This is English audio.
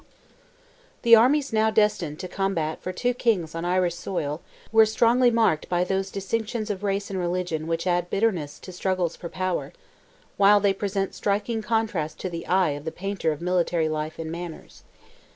The armies now destined to combat for two kings on Irish soil were strongly marked by those distinctions of race and religion which add bitterness to struggles for power, while they present striking contrasts to the eye of the painter of military life and manners.